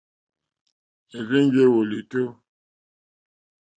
Érzènjé wòlìtó.